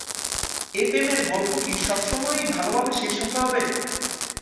এই প্রেমের গল্প কি সবসময়ই ভালোভাবে শেষ হতে হবে?